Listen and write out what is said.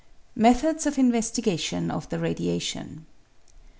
Methods of Investigation of the Radiation.